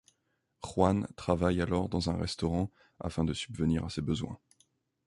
Juan travail alors dans un restaurant afin de subvenir à ses besoins.